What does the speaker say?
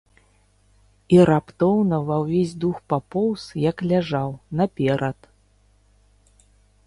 І раптоўна ва ўвесь дух папоўз, як ляжаў, наперад.